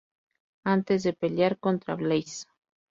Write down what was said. Antes de pelear contra Blaze.